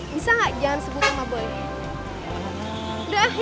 bisa gak jangan sebut sama boy